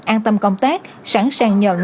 an tâm công tác sẵn sàng nhận